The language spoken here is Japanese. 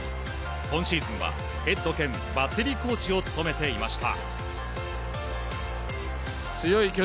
今シーズンはヘッド兼バッテリーコーチを務めていました。